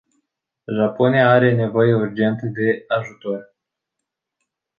Japonia are nevoie urgentă de ajutor.